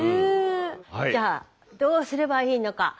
じゃあどうすればいいのか。